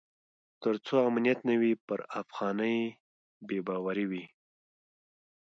تر څو امنیت نه وي پر افغانۍ بې باوري وي.